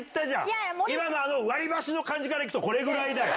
今の割り箸の感じからいくとこれぐらいだよ。